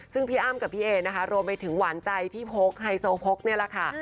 ซึ่งพี่อ้ำกับพี่เอนะคะรวมไปถึงหวานใจพี่พกไฮโซโพกนี่แหละค่ะ